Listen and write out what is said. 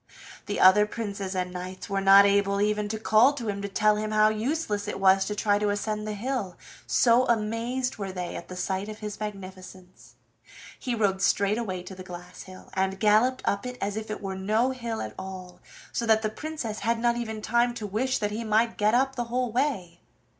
The other princes and knights were not able even to call to tell him how useless it was to try to ascend the hill, so amazed were they at sight of his magnificence. He rode straight away to the glass hill, and galloped up it as if it were no hill at all, so that the Princess had not even time to wish that he might get up the whole way.